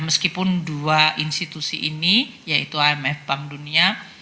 meskipun dua institusi ini yaitu imf bank dunia